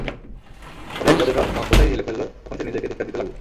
পরে এক বৃহদাকার মৎস্য তাকে গিলে ফেলল, তখন সে নিজেকে ধিক্কার দিতে লাগল।